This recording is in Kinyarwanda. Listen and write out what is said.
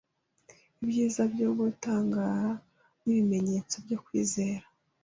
Ibyiza byo gutangara nibimenyetso byo kwizera